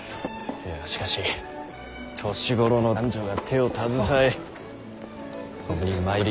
いやしかし年頃の男女が手を携え共に舞い踊り